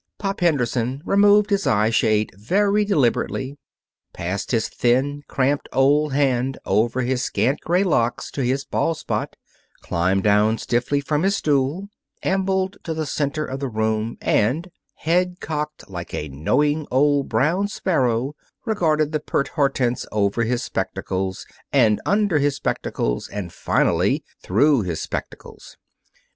Pop Henderson removed his eye shade very deliberately, passed his thin, cramped old hand over his scant gray locks to his bald spot, climbed down stiffly from his stool, ambled to the center of the room, and, head cocked like a knowing old brown sparrow, regarded the pert Hortense over his spectacles and under his spectacles and, finally, through his spectacles.